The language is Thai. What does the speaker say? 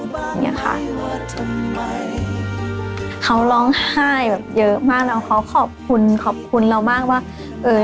บ้างเนี้ยค่ะเขาร้องไห้แบบเยอะมากแล้วเขาขอบคุณขอบคุณเรามากว่าเอ่อ